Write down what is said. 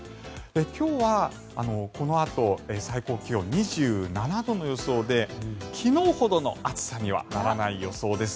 今日はこのあと最高気温２７度の予想で昨日ほどの暑さにはならない予想です。